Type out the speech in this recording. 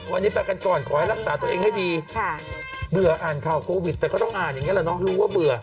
วันนี้ไปกันก่อนขอให้รักษาตัวเองให้ดีเบื่ออ่านข่าวโควิดแต่ก็ต้องอ่านอย่างนี้แหละน้องรู้ว่าเบื่อ